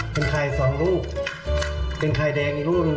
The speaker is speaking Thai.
เป็นไข่สองลูกเป็นไข่แดงอีกรูปหนึ่ง